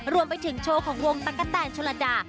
รวมไปถึงโชว์ของวงตั๊กกะแตนชนลดา